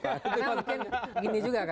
karena mungkin gini juga